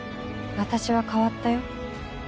私は変わったよ。